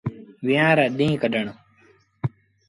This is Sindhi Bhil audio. ويهآݩ رآ ڏيٚݩهݩ ڪڍڻ۔